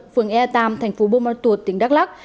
phường e tám thành phố bô mát tuột tỉnh đắk lắc